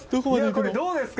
これ、どうですか？